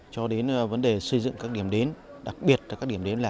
cho đến vấn đề xây dựng các điểm đến đặc biệt là các điểm đến là